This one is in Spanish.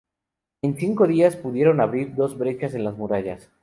En cinco días, pudieron abrir dos brechas en las murallas.